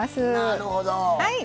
なるほど！